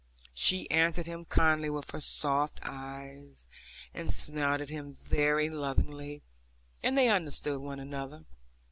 She answered him kindly with her soft eyes, and smiled at him very lovingly, and they understood one another.